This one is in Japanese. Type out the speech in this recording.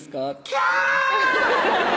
「キャー‼」